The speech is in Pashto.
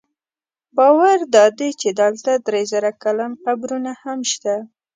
باور دا دی چې دلته درې زره کلن قبرونه هم شته.